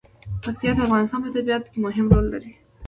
پکتیکا د افغانستان په طبیعت کې مهم رول لري.